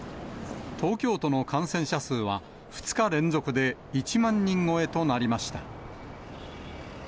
東京都の感染者数は、２日連続で１万人超えとなりました。